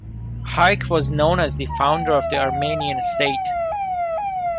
Hayk was known as the founder of the Armenian state.